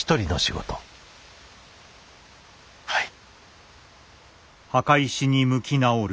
はい。